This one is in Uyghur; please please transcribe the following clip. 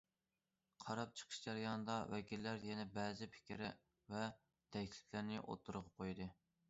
قاراپ چىقىش جەريانىدا، ۋەكىللەر يەنە بەزى پىكىر ۋە تەكلىپلەرنى ئوتتۇرىغا قويدى.